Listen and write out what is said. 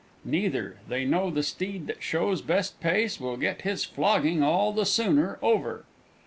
Neither; they know the steed that shows best pace Will get his flogging all the sooner over!